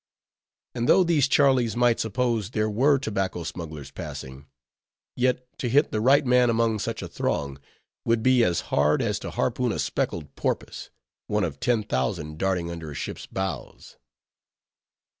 And though these "Charlies" might suppose there were tobacco smugglers passing; yet to hit the right man among such a throng, would be as hard, as to harpoon a speckled porpoise, one of ten thousand darting under a ship's bows.